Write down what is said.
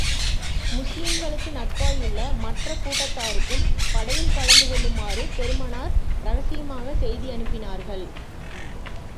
முஸ்லிம்களுக்கு நட்பாயுள்ள மற்ற கூட்டத்தாருக்கும் படையில் கலந்து கொள்ளுமாறு, பெருமானார் இரகசியமாகச் செய்தி அனுப்பினார்கள்.